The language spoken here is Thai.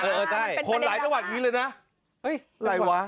เออเออใช่คนหลายจังหวัดนี้เลยนะเอ้ยอะไรวะ